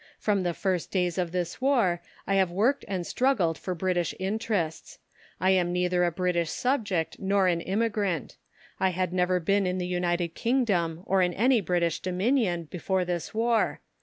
From the first days of this War I have worked and struggled for British interests. I am neither a British subject nor an immigrant. I had never been in the United Kingdom or in any British Dominion before this War.